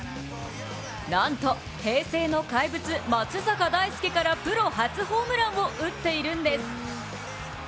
なんと平成の怪物・松坂大輔からプロ初ホームランを打っているんです。